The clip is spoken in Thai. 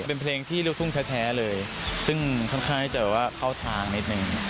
เป็นเพลงที่ลูกทุ่งแท้เลยซึ่งค่อนข้างที่จะแบบว่าเข้าทางนิดนึง